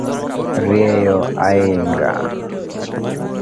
Rieyo ahinga